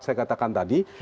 saya katakan tadi